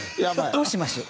どうしましょう。